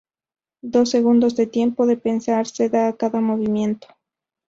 Dos segundos de tiempo de pensar se da a cada movimiento.